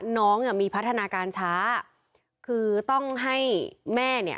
น้องอ่ะมีพัฒนาการช้าคือต้องให้แม่เนี่ย